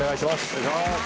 お願いします。